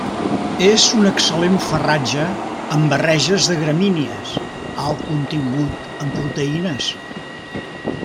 És un excel·lent farratge en barreges amb gramínies: alt contingut en proteïnes.